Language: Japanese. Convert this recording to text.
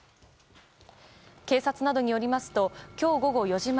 警察などによりますと今日午後４時前